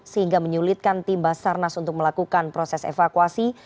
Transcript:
sehingga menyulitkan tim basarnas untuk melakukan proses evakuasi